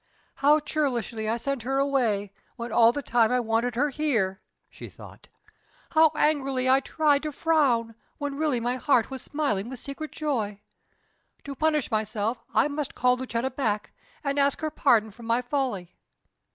"How churlishly I sent her away, when all the time I wanted her here!" she thought. "How angrily I tried to frown, when really my heart was smiling with secret joy! To punish myself I must call Lucetta back, and ask her pardon for my folly....